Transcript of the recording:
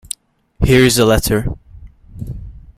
Here is the letter.